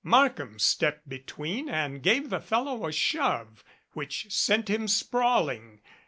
Markham stepped between and gave the fellow a shove which sent him sprawling.